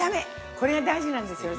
これが大事なんですよ。